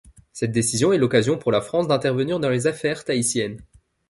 Cette décision est l'occasion pour la France d'intervenir dans les affaires tahitiennes.